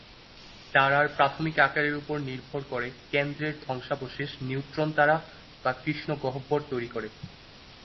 তারার প্রাথমিক আকারের উপর নির্ভর করে, কেন্দ্রের ধ্বংসাবশেষ নিউট্রন তারা বা কৃষ্ণগহ্বর তৈরি করে।